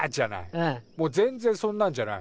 もう全然そんなんじゃない。